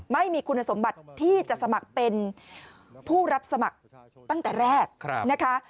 ไม่มีคุณสมบัติที่จะสมัครเป็นผู้รับสมัครตั้งแต่แรกนะคะ